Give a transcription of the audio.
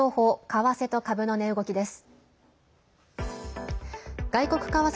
為替と株の値動きです。